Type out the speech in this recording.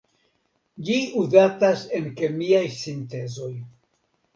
Ĝi uzatas en kemiaj sintezoj.